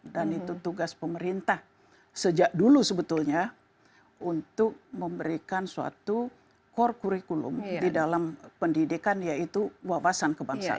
dan itu tugas pemerintah sejak dulu sebetulnya untuk memberikan suatu core kurikulum di dalam pendidikan yaitu wawasan kebangsaan